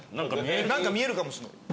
何か見えるかもしれない。